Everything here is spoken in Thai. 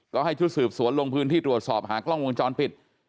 ก็ให้ชุดสืบสวนลงพื้นที่ตรวจสอบหากล้องวงจรปิด